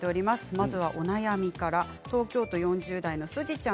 まずはお悩みから東京都４０代の方。